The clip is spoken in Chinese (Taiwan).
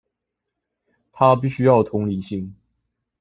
它必須要有同理心